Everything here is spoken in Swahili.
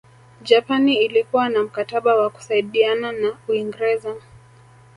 Japani ilikuwa na mkataba wa kusaidana na Uingreza